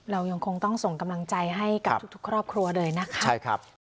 เรายังคงต้องส่งกำลังใจให้กับทุกครอบครัวเลยนะคะใช่ครับ